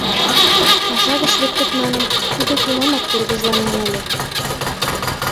Паша гыч луктыт манын, тудо тунамак тургыжланен ыле.